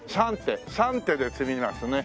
３手３手で詰みますね。